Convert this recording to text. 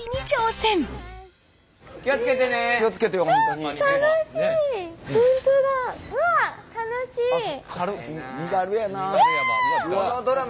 身軽やわ。